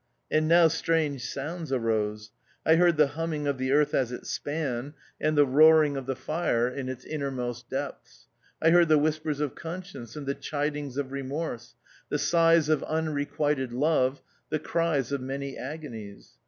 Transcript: And now strange sounds arose. I heard the humming of the earth as it span, and the roaring of THE OUTCAST. 29 the fire in its innermost depths. I heard the whispers of conscience and the eludings of remorse, the sighs of unrequited love, the cries of many agonies.